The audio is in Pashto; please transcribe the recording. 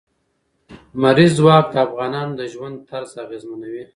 لمریز ځواک د افغانانو د ژوند طرز اغېزمنوي.